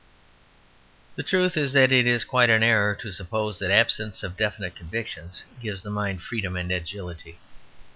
The truth is, that it is quite an error to suppose that absence of definite convictions gives the mind freedom and agility.